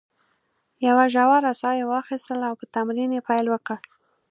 یوه ژوره ساه یې واخیستل او په تمرین یې پیل وکړ.